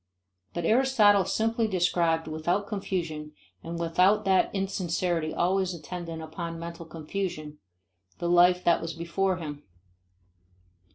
But Aristotle simply described without confusion and without that insincerity always attendant upon mental confusion, the life that was before him.